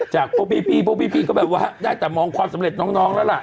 จากโปรปีปีโปรปีปีก็แบบว่าได้แต่มองความสำเร็จน้องแล้วล่ะ